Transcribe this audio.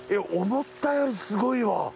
思ったよりすごいわ。